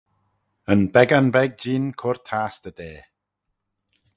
Yn beggan beg jeein cur tastey da.